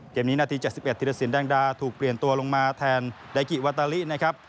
เกมนี้นาที๗๑ธิรสินแดงดาถูกเปลี่ยนตัวลงมาแทนเดกิวาตาลินะครับ